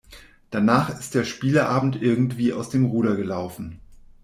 Danach ist der Spieleabend irgendwie aus dem Ruder gelaufen.